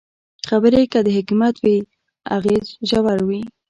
خبرې که د حکمت وي، اغېز ژور وي